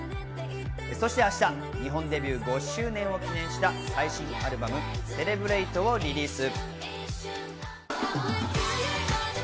そして明日、日本デビュー５周年を記念した最新アルバム『Ｃｅｌｅｂｒａｔｅ』をリリース。